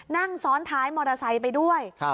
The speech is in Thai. นั่งซ้อนท้ายมอเตอร์ไซค์ไปด้วย